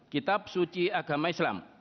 kitab suci agama islam